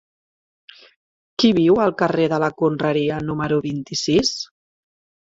Qui viu al carrer de la Conreria número vint-i-sis?